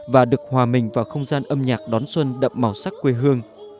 và được hòa mình vào không gian âm nhạc đón xuân đậm màu sắc quê hương